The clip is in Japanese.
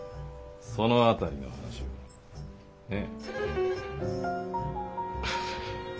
その辺りの話をねえ。